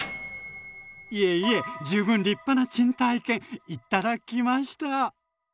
いえいえ十分立派な珍体験頂きました。